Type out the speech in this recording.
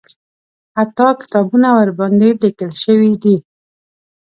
حتی کتابونه ورباندې لیکل شوي دي.